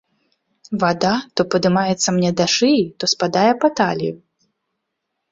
Вада то падымаецца мне да шыі, то спадае па талію.